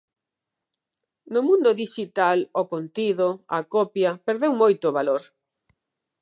No mundo dixital o contido, a copia, perdeu moito valor.